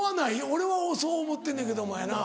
俺はそう思ってんねけどもやな。